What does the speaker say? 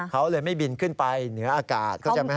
เขาเลยไม่บินขึ้นไปเหนืออากาศ